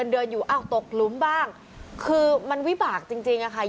เดินอยู่อ้าวตกหลุมบ้างคือมันวิบากจริงจริงอะค่ะ